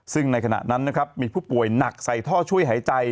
ซึ่งในขณะนั้นนะครับมีผู้ป่วยหนักใส่ท่อช่วยหายใจ